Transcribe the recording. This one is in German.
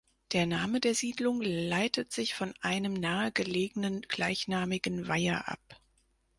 Der Name der Siedlung leitet sich von einem nahe gelegenen, gleichnamigen Weiher ab.